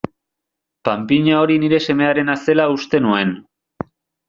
Panpina hori nire semearena zela uste nuen.